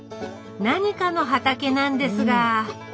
何かの畑なんですが。